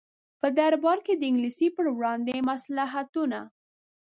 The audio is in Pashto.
په دربار کې د انګلیس پر وړاندې مصلحتونه.